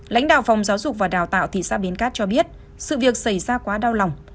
lãnh đạo phòng giáo dục và đào tạo thị xã bến cát cho biết sự việc xảy ra quá đau lòng